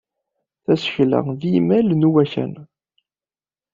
Tasekla d imal n uwanak.